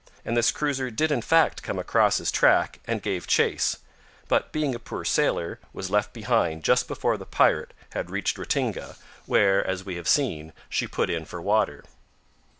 And this cruiser did in fact come across his track and gave chase; but being a poor sailer, was left behind just before the pirate had reached Ratinga, where, as we have seen, she put in for water.